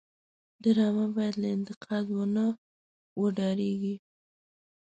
ډرامه باید له انتقاد ونه وډاريږي